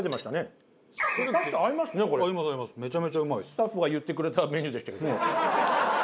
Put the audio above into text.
スタッフが言ってくれたメニューでしたけど。